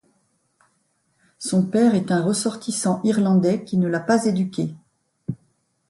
Son père est un ressortissant irlandais qui ne l'a pas éduquée.